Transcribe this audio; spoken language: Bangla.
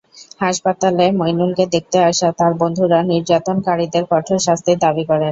হাসপাতালে মইনুলকে দেখতে আসা তাঁর বন্ধুরা নির্যাতনকারীদের কঠোর শাস্তির দাবি করেন।